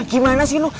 gimana sih lu